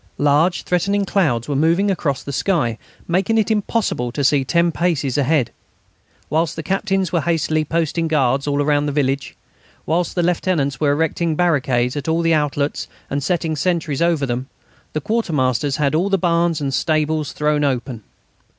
Large threatening clouds were moving across the sky, making it impossible to see ten paces ahead. Whilst the captains were hastily posting guards all round the village, whilst the lieutenants were erecting barricades at all the outlets and setting sentries over them, the quartermasters had all the barns and stables thrown open.